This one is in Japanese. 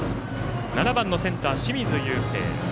７番のセンター、清水友惺。